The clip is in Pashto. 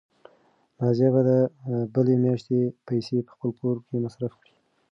نازیه به د بلې میاشتې پیسې په خپل کور مصرف کړي.